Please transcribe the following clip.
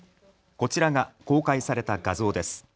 こちらが公開された画像です。